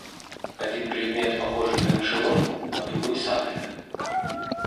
Один предмет, похожий на мышеловку, а другой сабля.